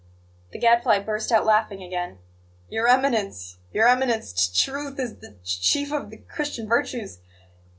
The Gadfly burst out laughing again. "Your Eminence, Your Eminence, t t truth is the c chief of the Christian virtues!